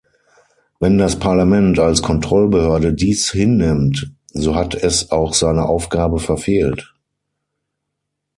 Wenn das Parlament als Kontrollbehörde dies hinnimmt, so hat es auch seine Aufgabe verfehlt.